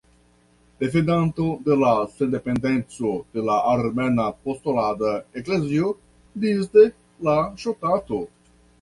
Defendanto de la sendependeco de la Armena Apostola Eklezio disde la ŝtato.